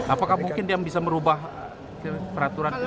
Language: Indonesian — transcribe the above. apakah mungkin dia bisa merubah peraturan itu